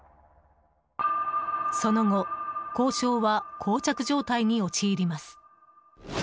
その後、交渉は膠着状態に陥ります。